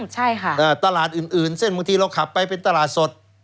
ใช่ค่ะตลาดอื่นเช่นบางทีเราขับไปเป็นตลาดสด